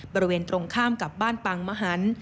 บริเวณตรงข้ามกับบ้านปางมหัน